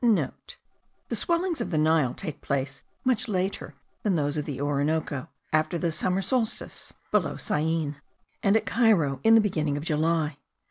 (* The swellings of the Nile take place much later than those of the Orinoco; after the summer solstice, below Syene; and at Cairo in the beginning of July.